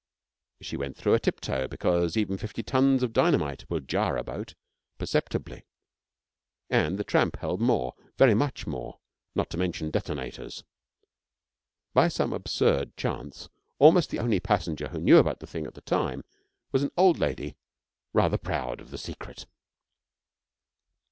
She went through a tiptoe, because even fifty tons of dynamite will jar a boat, perceptibly, and the tramp held more very much more, not to mention detonators. By some absurd chance, almost the only passenger who knew about the thing at the time was an old lady rather proud of the secret.